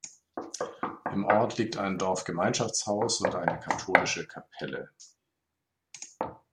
Im Ort liegt ein Dorfgemeinschaftshaus und eine katholische Kapelle.